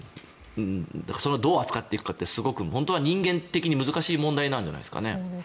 どう扱っていくかってすごく本当は人間的に難しい問題なんじゃないですかね。